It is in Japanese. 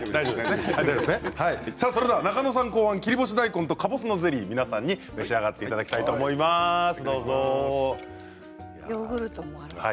中野さん考案切り干し大根とかぼすのゼリー皆さんに召し上がってヨーグルトもあるんですね。